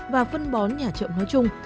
và phân bón nhả chậm nói chung